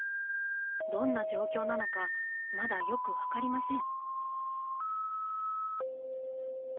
どんな状況なのかまだよく分かりません。